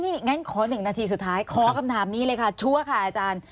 นี่งั้นขอ๑นาทีสุดท้ายขอคำถามนี้เลยค่ะชัวร์ค่ะอาจารย์